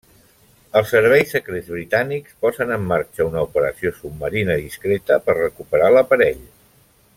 Els serveis secrets britànics posen en marxa una operació submarina discreta per recuperar l'aparell.